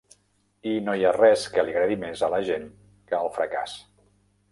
I no hi ha res que li agradi més a la gent que el fracàs.